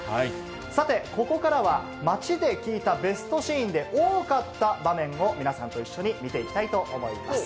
さて、ここからは、街で聞いたベストシーンで、多かった場面を皆さんと一緒に見ていきたいと思います。